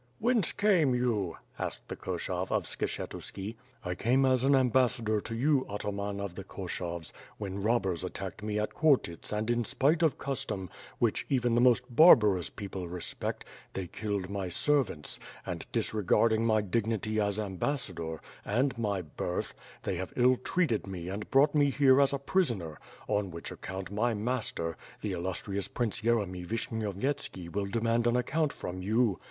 "Whence came you?" asked the Koshov, of Skshetuski. "I came as an ambassador to you, Ataman of the Koshovs, when robbers attacked me at Khortyts and in spite of custom, which even the most barbarous people respect, they killed my servants and, disregarding my dignity as ambassador, and my birth, they have ill treated me and brought me here as a prisoner, on which account, my master, the illustrious Prince Yercmy Yishnyovyetski will demand an account from you.